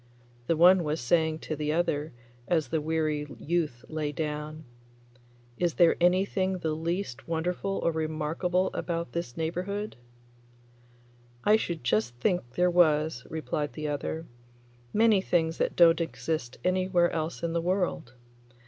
The one was saying to the other as the weary youth lay down, 'Is there anything the least wonderful or remarkable about this neighbourhood?' 'I should just think there was,' replied the other; 'many things that don't exist anywhere else in the world.